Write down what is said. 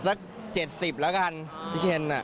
สัก๗๐แล้วกันพี่เชน